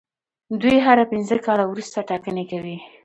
دوی هر پنځه کاله وروسته ټاکنې کوي.